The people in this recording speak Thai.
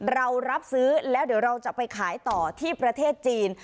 เรารับซื้อแล้วเดี๋ยวเราจะไปขายต่อที่ประเทศจีน